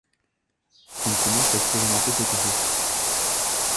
Il commence à expérimenter cet effet.